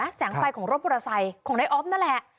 เมื่อนี้แสงไฟของรถบุตรไซค์ของนายออฟนั่นแหละ